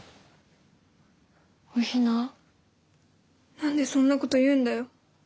何でそんなこと言うんだよ。